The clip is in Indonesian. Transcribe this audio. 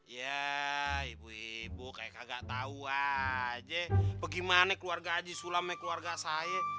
ya ibu ibu kaya kagak tau aja bagaimana keluarga haji sulam sama keluarga saya